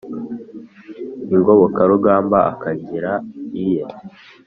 Ingobokarugamba akagira iye